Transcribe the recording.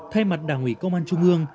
thay mặt đảng ủy công an trung ương